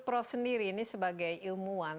prof sendiri ini sebagai ilmuwan